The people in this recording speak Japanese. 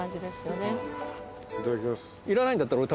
いただきます。